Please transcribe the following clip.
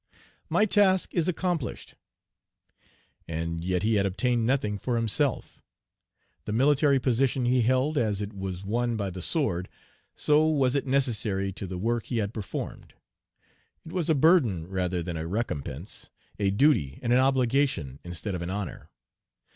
"My task is accomplished." And yet he had obtained nothing for himself. The military position he held, as it was won by the sword, so was it necessary to the work he had performed. It was a burden rather than a recompense, a duty and an obligation instead of an honor.